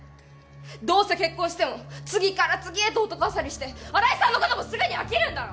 どうせ結婚しても次から次へと男あさりして荒井さんのこともすぐに飽きるんだろ？